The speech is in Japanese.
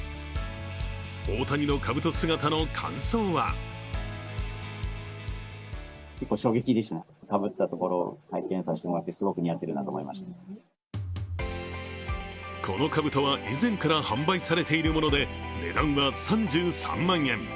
大谷のかぶと姿の感想はこのかぶとは以前から販売されているもので、値段は３３万円。